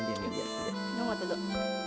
nih gue gak tidur